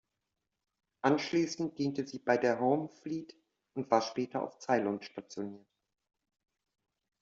Anschließend diente sie bei der Home Fleet und war später auf Ceylon stationiert.